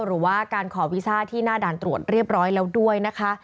หรือว่าการขอวีซ่าที่หน้าด่านตรวจเรียบร้อยแล้วด้วยนะคะ